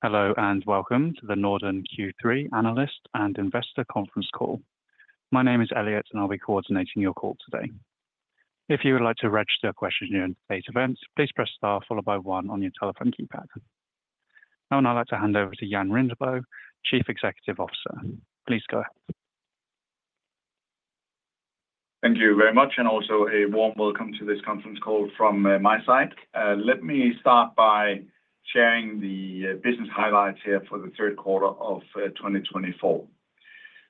Hello and welcome to the NORDEN Q3 analyst and investor conference call. My name is Elliot, and I'll be coordinating your call today. If you would like to register questions during today's event, please press star followed by one on your telephone keypad. Now, I'd like to hand over to Jan Rindbo, Chief Executive Officer. Please go. Thank you very much, and also a warm welcome to this conference call from my side. Let me start by sharing the business highlights here for the third quarter of 2024.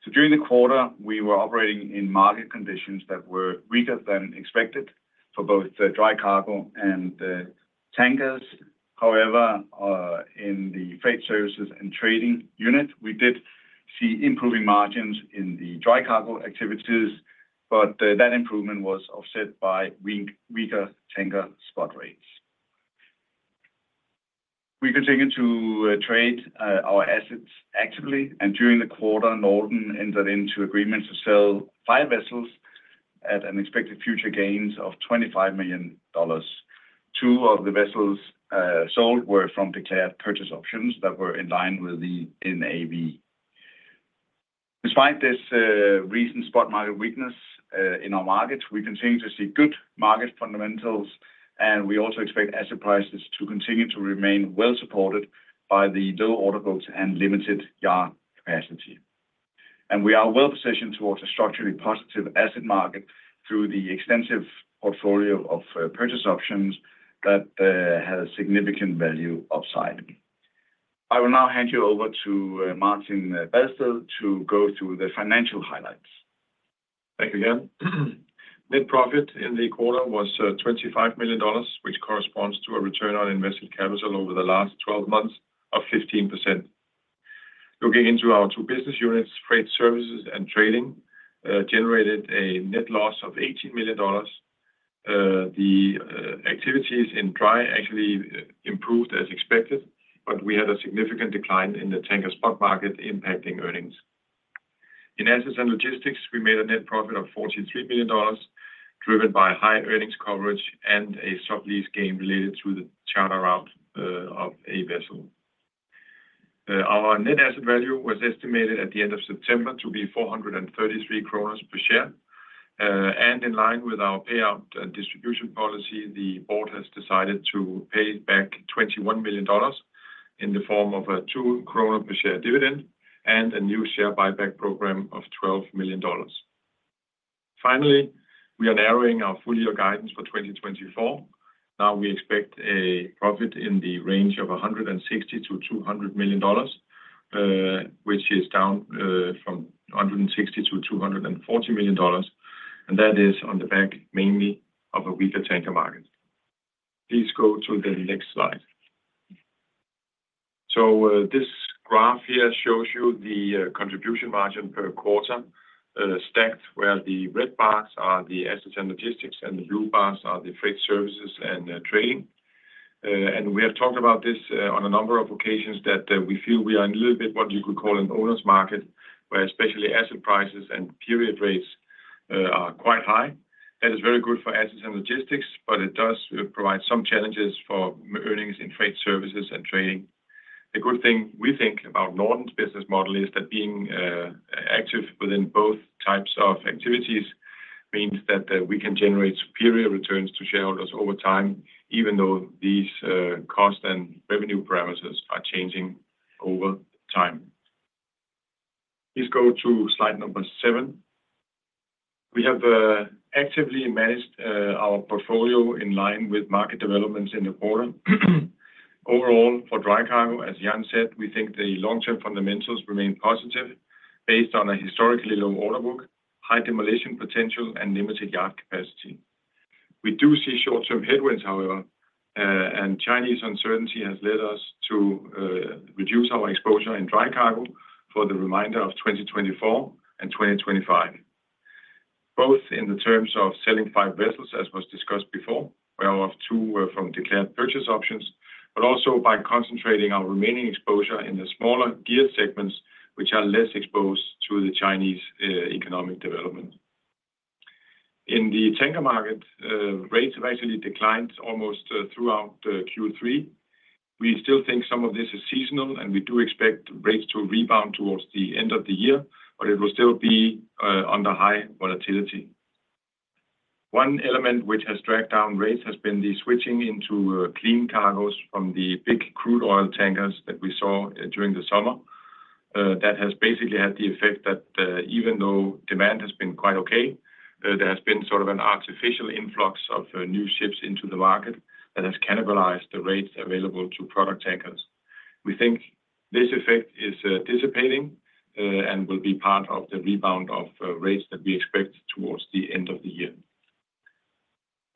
So, during the quarter, we were operating in market conditions that were weaker than expected for both dry cargo and tankers. However, in the Freight Services & Trading unit, we did see improving margins in the dry cargo activities, but that improvement was offset by weaker tanker spot rates. We continue to trade our assets actively, and during the quarter, NORDEN entered into agreements to sell five vessels at an expected future gains of $25 million. Two of the vessels sold were from declared purchase options that were in line with the NAV. Despite this recent spot market weakness in our markets, we continue to see good market fundamentals, and we also expect asset prices to continue to remain well supported by the low order books and limited yard capacity, and we are well-positioned towards a structurally positive asset market through the extensive portfolio of purchase options that has significant value upside. I will now hand you over to Martin Badsted to go through the financial highlights. Thank you, Jan. Net profit in the quarter was $25 million, which corresponds to a return on invested capital over the last 12 months of 15%. Looking into our two business units, Freight Services & Trading, generated a net loss of $18 million. The activities in dry actually improved as expected, but we had a significant decline in the tanker spot market, impacting earnings. In Assets and Logistics, we made a net profit of $43 million, driven by high earnings coverage and a sublease gain related to the re-charter of a vessel. Our net asset value was estimated at the end of September to be 433 kroner per share, and in line with our payout and distribution policy, the Board has decided to pay back $21 million in the form of a 2 kroner per share dividend and a new share buyback program of $12 million. Finally, we are narrowing our full year guidance for 2024. Now, we expect a profit in the range of $160 million-$200 million, which is down from $160 million-$240 million, and that is on the back mainly of a weaker tanker market. Please go to the next slide. So, this graph here shows you the contribution margin per quarter stacked, where the red bars are the Assets & Logistics, and the blue bars are the Freight Services & Trading. And we have talked about this on a number of occasions that we feel we are in a little bit what you could call an owner's market, where especially asset prices and period rates are quite high. That is very good for Assets & Logistics, but it does provide some challenges for earnings in Freight Services & Trading. The good thing we think about NORDEN's business model is that being active within both types of activities means that there we can generate superior returns to shareholders over time, even though these cost and revenue parameters are changing over time. Please go to slide number seven. We have actively managed our portfolio in line with market developments in the quarter. Overall, for dry cargo, as Jan said, we think the long-term fundamentals remain positive based on a historically low order book, high demolition potential, and limited yard capacity. We do see short-term headwinds, however, and Chinese uncertainty has led us to reduce our exposure in dry cargo for the remainder of 2024 and 2025, both in terms of selling five vessels, as was discussed before, where two were from declared purchase options, but also by concentrating our remaining exposure in the smaller geared segments, which are less exposed to the Chinese economic development. In the tanker market, rates have actually declined almost throughout Q3. We still think some of this is seasonal, and we do expect rates to rebound towards the end of the year, but it will still be under high volatility. One element which has dragged down rates has been the switching into clean cargoes from the big crude oil tankers that we saw during the summer. That has basically had the effect that even though demand has been quite okay, there has been sort of an artificial influx of new ships into the market that has cannibalized the rates available to product tankers. We think this effect is dissipating and will be part of the rebound of rates that we expect towards the end of the year.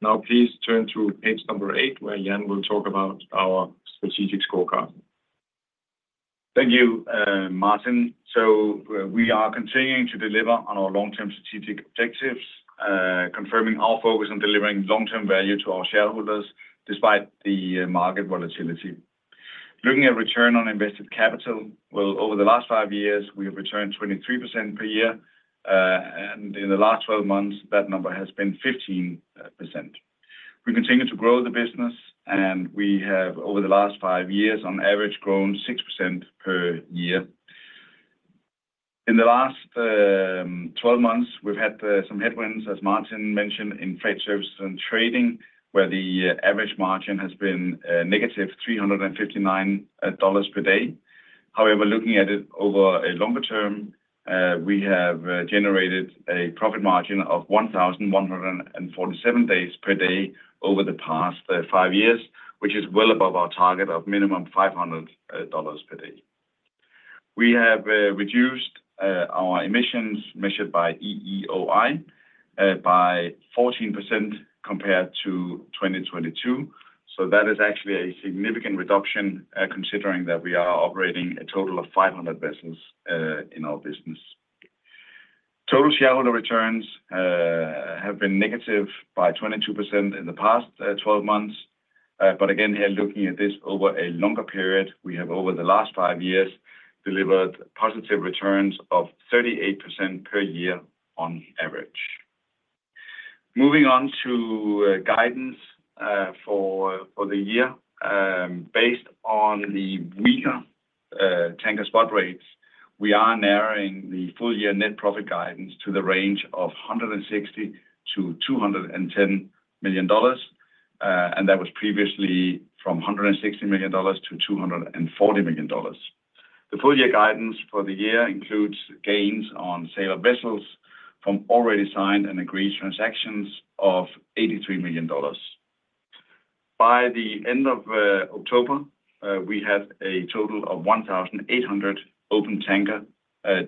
Now, please turn to page number eight, where Jan will talk about our strategic scorecard. Thank you, Martin. We are continuing to deliver on our long-term strategic objectives, confirming our focus on delivering long-term value to our shareholders despite the market volatility. Looking at return on invested capital, well, over the last five years, we have returned 23% per year, and in the last 12 months, that number has been 15%. We continue to grow the business, and we have, over the last five years, on average grown 6% per year. In the last 12 months, we've had some headwinds, as Martin mentioned, in Freight Services & Trading, where the average margin has been -$359 per day. However, looking at it over a longer term, we have generated a profit margin of $1,147 per day over the past five years, which is well above our target of minimum $500 per day. We have reduced our emissions measured by EEOI by 14% compared to 2022. So, that is actually a significant reduction considering that we are operating a total of 500 vessels in our business. Total shareholder returns have been negative by 22% in the past 12 months, but again, here looking at this over a longer period, we have, over the last five years, delivered positive returns of 38% per year on average. Moving on to guidance for the year, based on the weaker tanker spot rates, we are narrowing the full year net profit guidance to the range of $160 million-$210 million, and that was previously from $160 million-$240 million. The full year guidance for the year includes gains on sale of vessels from already signed and agreed transactions of $83 million. By the end of October, we had a total of 1,800 open tanker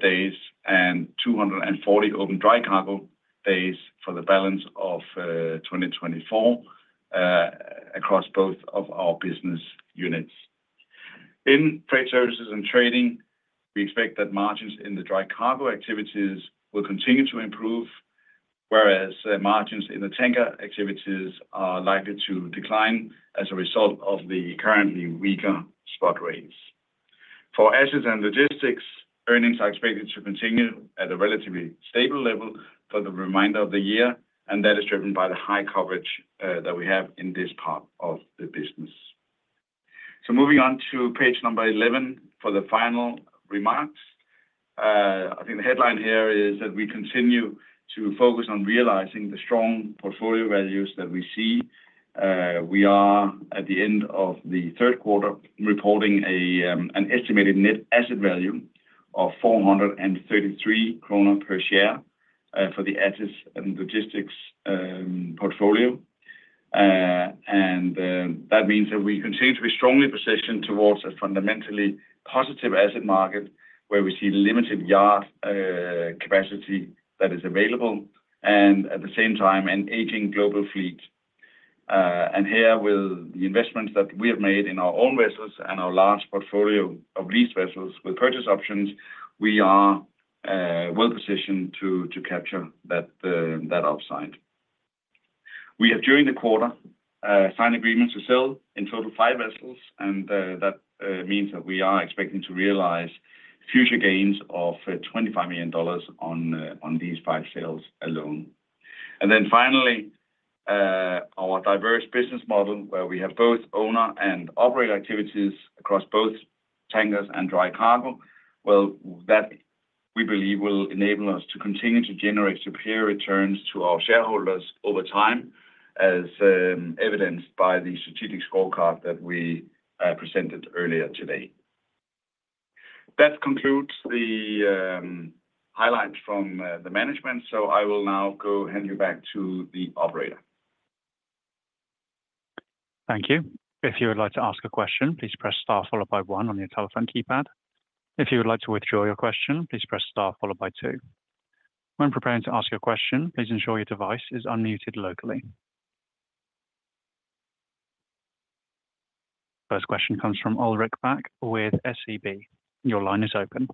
days and 240 open dry cargo days for the balance of 2024 across both of our business units. In Freight Services & Trading, we expect that margins in the dry cargo activities will continue to improve, whereas margins in the tanker activities are likely to decline as a result of the currently weaker spot rates. For Assets & Logistics, earnings are expected to continue at a relatively stable level for the remainder of the year, and that is driven by the high coverage that we have in this part of the business. So, moving on to page number 11 for the final remarks. I think the headline here is that we continue to focus on realizing the strong portfolio values that we see. We are at the end of the third quarter reporting an estimated net asset value of 433 kroner per share for the Assets & Logistics portfolio. That means that we continue to be strongly positioned towards a fundamentally positive asset market, where we see limited yard capacity that is available, and at the same time, an aging global fleet. Here, with the investments that we have made in our own vessels and our large portfolio of leased vessels with purchase options, we are well-positioned to capture that upside. We have, during the quarter, signed agreements to sell in total five vessels, and that means that we are expecting to realize future gains of $25 million on these five sales alone. And then finally, our diverse business model, where we have both owner and operator activities across both tankers and dry cargo. Well, that we believe will enable us to continue to generate superior returns to our shareholders over time, as evidenced by the strategic scorecard that we presented earlier today. That concludes the highlights from the management, so I will now hand you back to the operator. Thank you. If you would like to ask a question, please press star followed by one on your telephone keypad. If you would like to withdraw your question, please press star followed by two. When preparing to ask your question, please ensure your device is unmuted locally. First question comes from Ulrik Bak with SEB. Your line is open.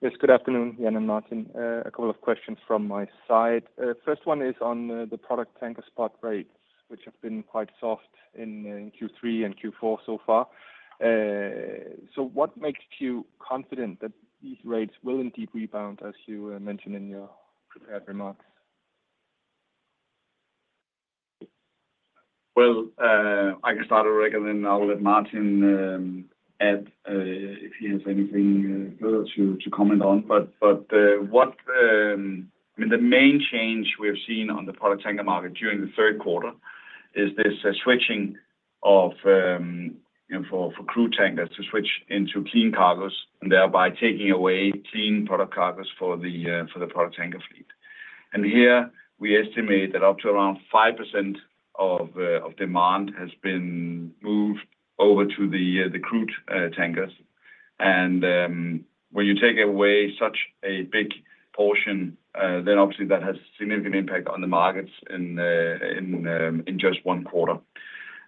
Yes, good afternoon, Jan and Martin. A couple of questions from my side. First one is on the product tanker spot rates, which have been quite soft in Q3 and Q4 so far. So, what makes you confident that these rates will indeed rebound, as you mentioned in your prepared remarks? I can start, Ulrik, and then I'll let Martin add if he has anything further to comment on. What I mean, the main change we've seen on the product tanker market during the third quarter is this switching of, for crude tankers, to switch into clean cargos and thereby taking away clean product cargos for the product tanker fleet. Here, we estimate that up to around 5% of demand has been moved over to the crude tankers. When you take away such a big portion, then obviously that has a significant impact on the markets in just one quarter.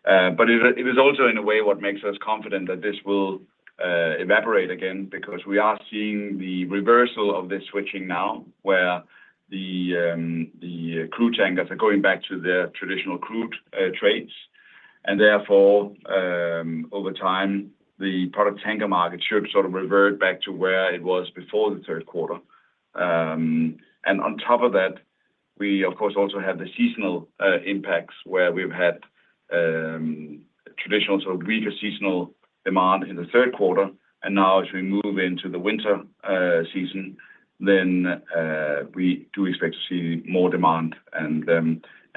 It is also, in a way, what makes us confident that this will evaporate again, because we are seeing the reversal of this switching now, where the crude tankers are going back to their traditional crude trades. Therefore, over time, the product tanker market should sort of revert back to where it was before the third quarter. On top of that, we, of course, also have the seasonal impacts, where we've had traditional, sort of weaker seasonal demand in the third quarter. Now, as we move into the winter season, then we do expect to see more demand.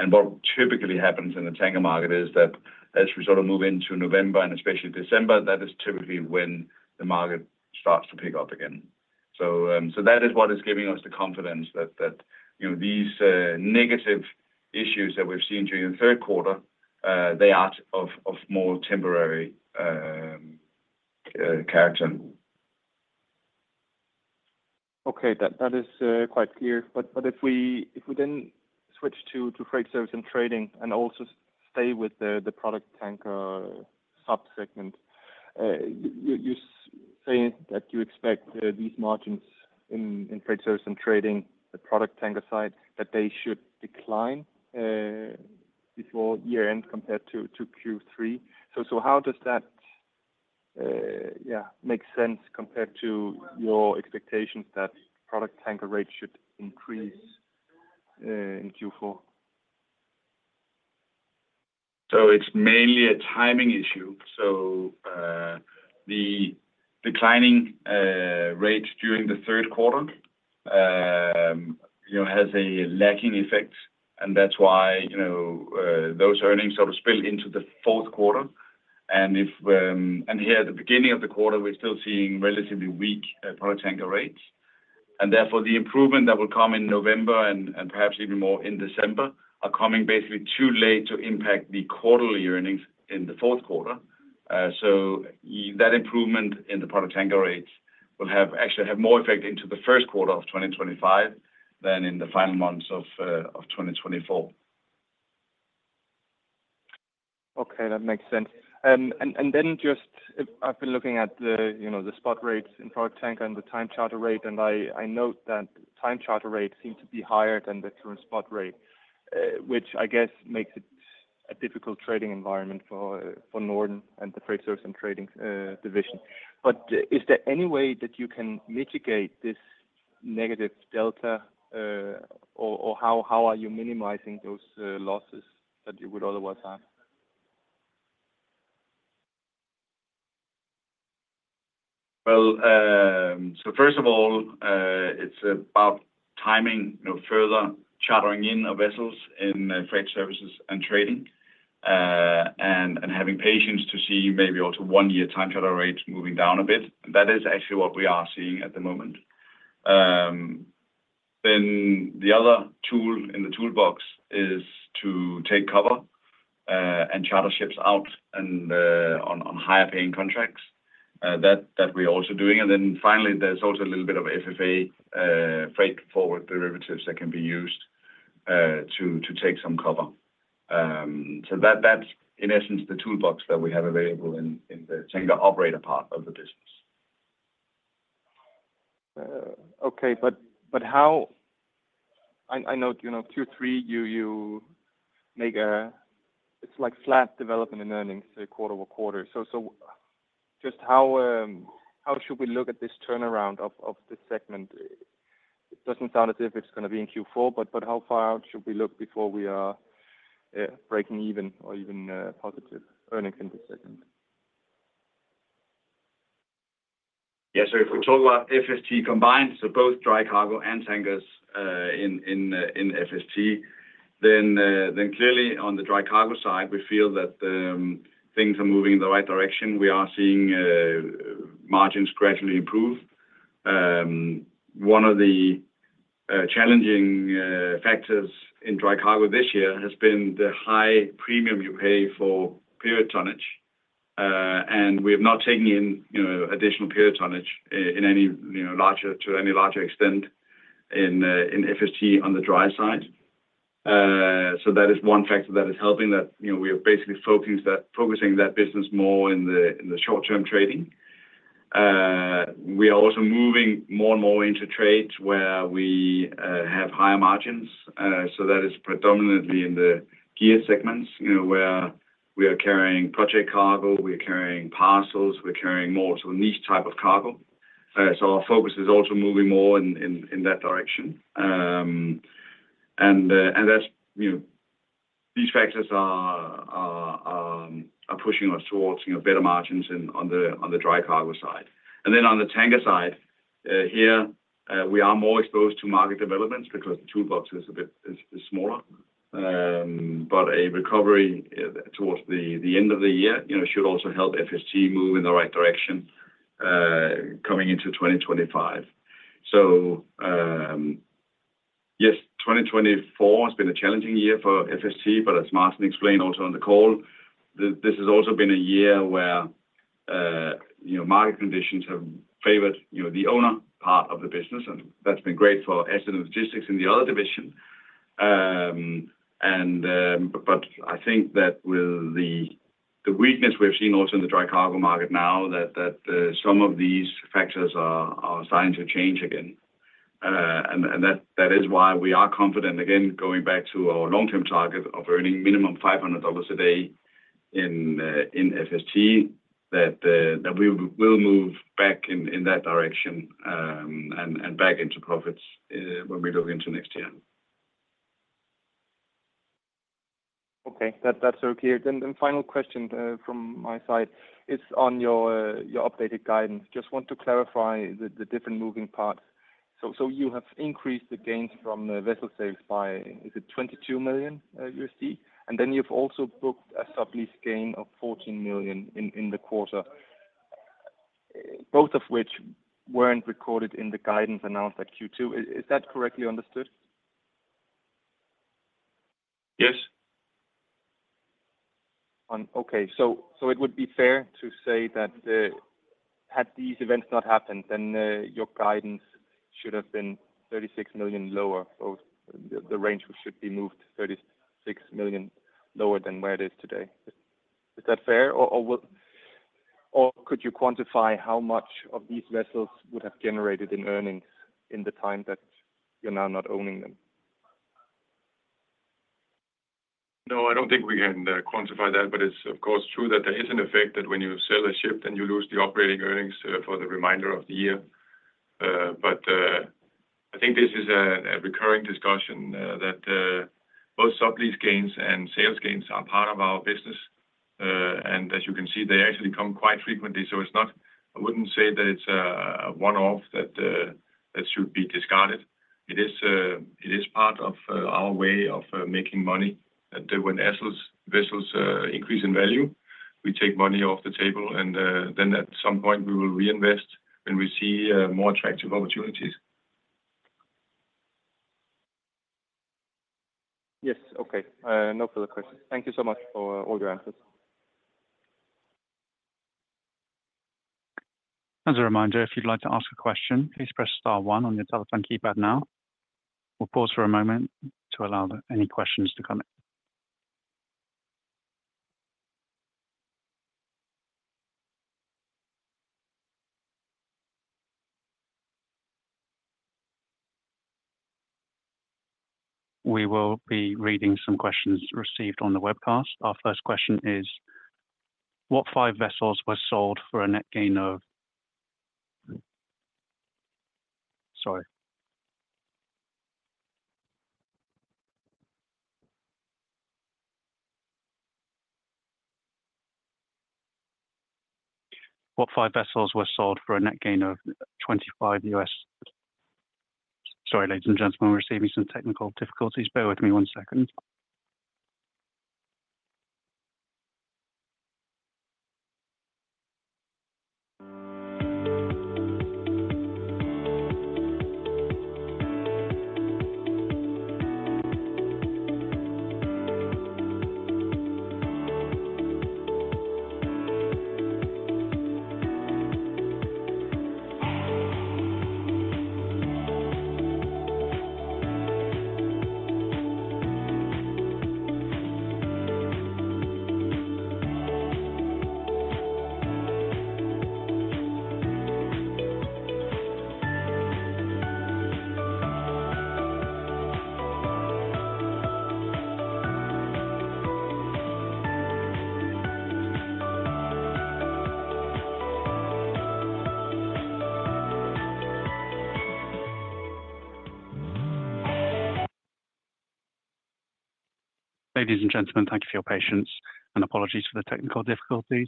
What typically happens in the tanker market is that as we sort of move into November and especially December, that is typically when the market starts to pick up again. That is what is giving us the confidence that these negative issues that we've seen during the third quarter, they are of more temporary character. Okay, that is quite clear. But if we then switch to Freight Services & Trading and also stay with the product tanker subsegment, you say that you expect these margins in Freight Services & Trading, the product tanker side, that they should decline before year-end compared to Q3. So, how does that, yeah, make sense compared to your expectations that product tanker rates should increase in Q4? It's mainly a timing issue. The declining rates during the third quarter has a lagging effect, and that's why those earnings sort of spill into the fourth quarter. Here, at the beginning of the quarter, we're still seeing relatively weak product tanker rates. Therefore, the improvement that will come in November and perhaps even more in December are coming basically too late to impact the quarterly earnings in the fourth quarter. That improvement in the product tanker rates will actually have more effect into the first quarter of 2025 than in the final months of 2024. Okay, that makes sense. And then just, I've been looking at the spot rates in product tanker and the time charter rate, and I note that time charter rates seem to be higher than the current spot rate, which I guess makes it a difficult trading environment for NORDEN and the Freight Services & Trading division. But is there any way that you can mitigate this negative delta, or how are you minimizing those losses that you would otherwise have? Well, so first of all, it's about timing further chartering in of vessels in Freight Services & Trading and having patience to see maybe also one-year time charter rates moving down a bit. That is actually what we are seeing at the moment. Then the other tool in the toolbox is to take cover and charter ships out on higher paying contracts. That we are also doing. And then finally, there's also a little bit of FFA freight forward derivatives that can be used to take some cover. So, that's in essence the toolbox that we have available in the tanker operator part of the business. Okay, but you know in Q3, you made it, it's like flat development in earnings quarter over quarter. So, just how should we look at this turnaround of the segment? It doesn't sound as if it's going to be in Q4, but how far out should we look before we are breaking even or even positive earnings in this segment? Yes, so if we talk about FFT combined, so both dry cargo and tankers in FFT, then clearly on the dry cargo side, we feel that things are moving in the right direction. We are seeing margins gradually improve. One of the challenging factors in dry cargo this year has been the high premium you pay for period tonnage. We have not taken in additional period tonnage in any larger extent in FFT on the dry side. So, that is one factor that is helping that we are basically focusing that business more in the short-term trading. We are also moving more and more into trades where we have higher margins. So, that is predominantly in the geared segments where we are carrying project cargo, we are carrying parcels, we're carrying more sort of niche type of cargo. So, our focus is also moving more in that direction. And these factors are pushing us towards better margins on the dry cargo side. And then on the tanker side, here we are more exposed to market developments because the toolbox is a bit smaller. But a recovery towards the end of the year should also help FFT move in the right direction coming into 2025. So, yes, 2024 has been a challenging year for FFT, but as Martin explained also on the call, this has also been a year where market conditions have favored the owner part of the business, and that's been great for asset and logistics in the other division. But I think that with the weakness we've seen also in the dry cargo market now, that some of these factors are starting to change again. That is why we are confident, again, going back to our long-term target of earning minimum $500 a day in FFT, that we will move back in that direction and back into profits when we look into next year. Okay, that's so clear. Then final question from my side. It's on your updated guidance. Just want to clarify the different moving parts. So, you have increased the gains from vessel sales by, is it $22 million? And then you've also booked a sublease gain of $14 million in the quarter, both of which weren't recorded in the guidance announced at Q2. Is that correctly understood? Yes. Okay, so it would be fair to say that had these events not happened, then your guidance should have been $36 million lower, the range should be moved $36 million lower than where it is today. Is that fair? Or could you quantify how much of these vessels would have generated in earnings in the time that you're now not owning them? No, I don't think we can quantify that, but it's, of course, true that there is an effect that when you sell a ship, then you lose the operating earnings for the remainder of the year. But I think this is a recurring discussion that both sublease gains and sales gains are part of our business. And as you can see, they actually come quite frequently. So, it's not. I wouldn't say that it's a one-off that should be discarded. It is part of our way of making money. When vessels increase in value, we take money off the table, and then at some point, we will reinvest when we see more attractive opportunities. Yes, okay. No further questions. Thank you so much for all your answers. As a reminder, if you'd like to ask a question, please press star one on your telephone keypad now. We'll pause for a moment to allow any questions to come in. We will be reading some questions received on the webcast. Our first question is, what five vessels were sold for a net gain of sorry. What five vessels were sold for a net gain of $25? Sorry, ladies and gentlemen, we're receiving some technical difficulties. Bear with me one second. Ladies and gentlemen, thank you for your patience and apologies for the technical difficulties.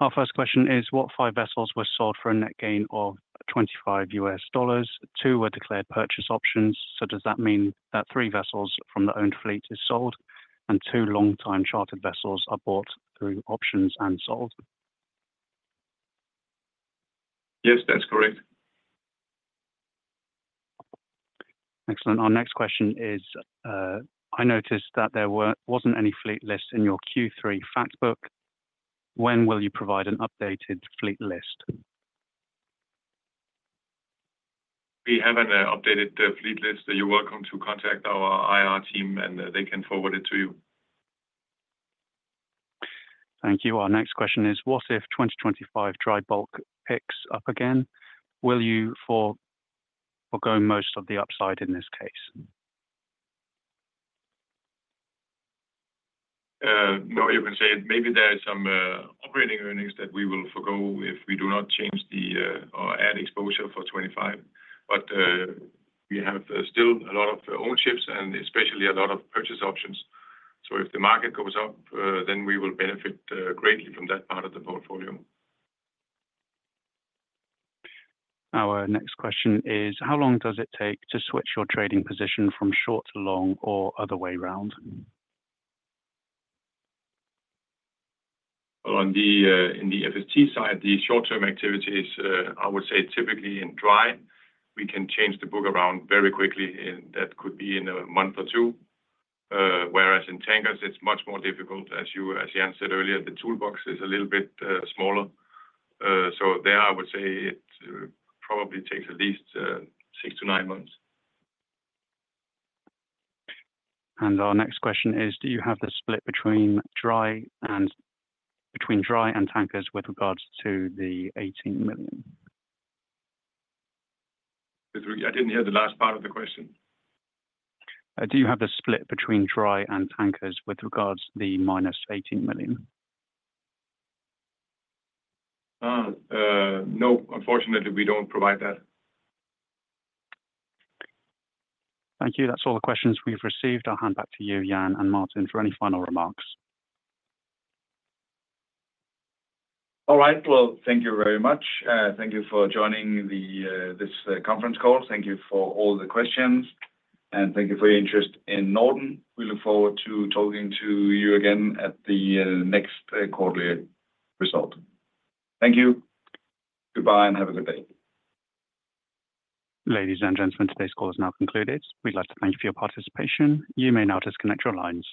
Our first question is, what five vessels were sold for a net gain of $25? Two were declared purchase options. So, does that mean that three vessels from the owned fleet are sold and two long-time chartered vessels are bought through options and sold? Yes, that's correct. Excellent. Our next question is, I noticed that there wasn't any fleet list in your Q3 Fact Book. When will you provide an updated fleet list? We have an updated fleet list. You're welcome to contact our IR team, and they can forward it to you. Thank you. Our next question is, what if 2025 dry bulk picks up again? Will you forgo most of the upside in this case? No, you can say maybe there are some operating earnings that we will forgo if we do not change, or add exposure for 25. But we have still a lot of own ships and especially a lot of purchase options. So, if the market goes up, then we will benefit greatly from that part of the portfolio. Our next question is, how long does it take to switch your trading position from short to long or other way around? On the FFT side, the short-term activities, I would say typically in dry, we can change the book around very quickly. That could be in a month or two. Whereas in tankers, it's much more difficult. As Jan said earlier, the toolbox is a little bit smaller. There, I would say it probably takes at least six to nine months. Our next question is, do you have the split between dry and tankers with regards to the $18 million? I didn't hear the last part of the question. Do you have the split between dry and tankers with regards to the -$18 million? No, unfortunately, we don't provide that. Thank you. That's all the questions we've received. I'll hand back to you, Jan and Martin, for any final remarks. All right. Well, thank you very much. Thank you for joining this conference call. Thank you for all the questions, and thank you for your interest in NORDEN. We look forward to talking to you again at the next quarterly result. Thank you. Goodbye and have a good day. Ladies and gentlemen, today's call is now concluded. We'd like to thank you for your participation. You may now disconnect your lines.